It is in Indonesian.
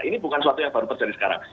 ini bukan sesuatu yang baru terjadi sekarang